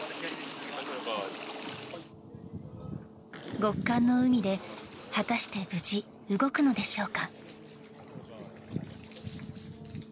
極寒の海で果たして無事、動くのでしょうか。